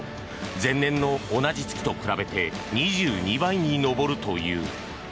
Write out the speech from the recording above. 前年の同じ月と比べて２２倍に上るという。